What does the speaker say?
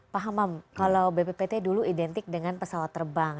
pak hamam kalau bppt dulu identik dengan pesawat terbang